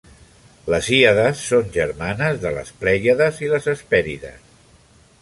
Les Hyades són germanes de les Pleiades i les Hesperides.